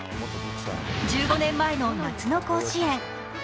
１５年前の夏の甲子園。